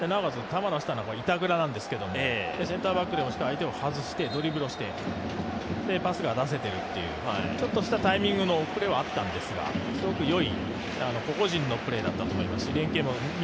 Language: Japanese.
球出したのは板倉なんですけどもセンターバックでも相手を外してドリブルをしてパスが出せてるっていうちょっとしたタイミングの遅れはあったんですがすごく良い個々人のプレーだったと思います。